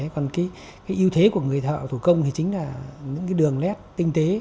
còn cái ưu thế của người thợ thủ công thì chính là những cái đường lét tinh tế